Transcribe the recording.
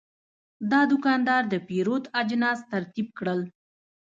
دا دوکاندار د پیرود اجناس ترتیب کړل.